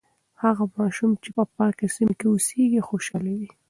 هغه ماشوم چې په پاکه سیمه کې اوسیږي، خوشاله وي.